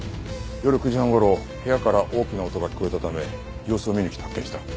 夜９時半頃部屋から大きな音が聞こえたため様子を見に来て発見した。